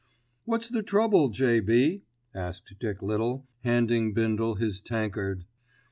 "What's the trouble, J.B.?" asked Dick Little, handing Bindle his tankard.